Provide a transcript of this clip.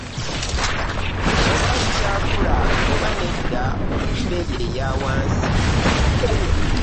Oba likyakula oba nedda ku bbeeyi eya wansi